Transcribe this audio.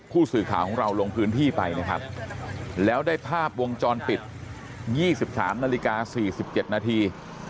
ผู้สื่อข่าวของเราลงพื้นที่ไปนะครับแล้วได้ภาพวงจรปิด๒๓นาฬิกา๔๗นาที